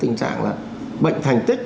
tình trạng là bệnh thành tích